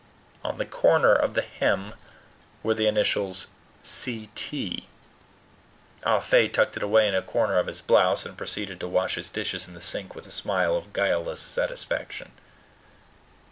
On the corner of the hem were the initials "C. T." Ah Fe tucked it away in a corner of his blouse, and proceeded to wash his dishes in the sink with a smile of guileless satisfaction.